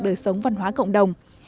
đời sống văn hóa cộng đồng